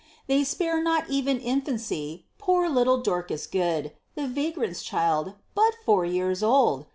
"They spare not even infancy: poor little Dorcas Good, The vagrant's child but four years old!